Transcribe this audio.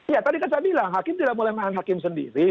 ya tadi kan saya bilang hakim tidak boleh main hakim sendiri